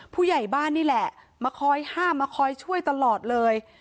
ผู้ใหญ่บ้านนี่แหละมาคอยห้ามมาคอยช่วยตลอดเลย